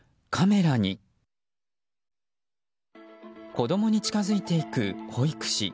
子供に近づいていく保育士。